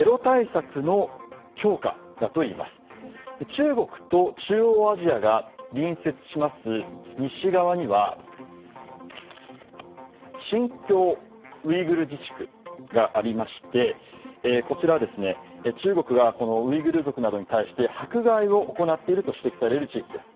中国と中央アジアが隣接する西側には新疆ウイグル自治区がありましてこちらは中国がウイグル族に対して迫害を行っていると指摘される地域です。